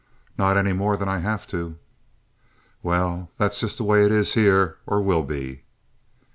"Not any more than I have to." "Well, that's just the way it is here—or will be."